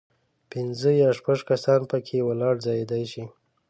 پنځه یا شپږ کسان په کې ولاړ ځایېدای شي.